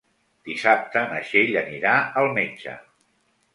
Dissabte na Txell anirà al metge.